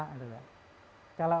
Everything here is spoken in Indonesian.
kalau tahu itu tahu itu takwa